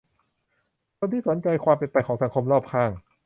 คนที่สนใจความเป็นไปของสังคมรอบข้าง